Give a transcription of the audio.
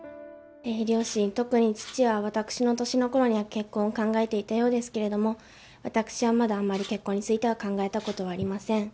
両親、特に父は、私の年のころには結婚を考えていたようですけれども、私はまだ、あまり結婚については考えたことはありません。